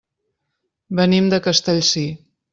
Venim de Castellcir.